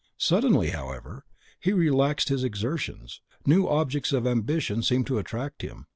Suddenly, however, he relaxed his exertions; new objects of ambition seemed to attract him.